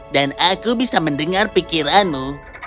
dan aku bisa mendengar pikiranmu